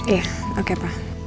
iya oke pak